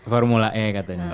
formula e katanya